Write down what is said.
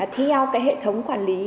theo cái hệ thống quản lý